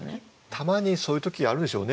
たまにそういう時あるでしょうね。